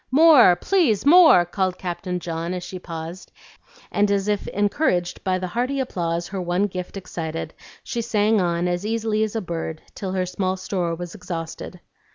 "More, please, more!" called Captain John, as she paused; and as if encouraged by the hearty applause her one gift excited, she sang on as easily as a bird till her small store was exhausted.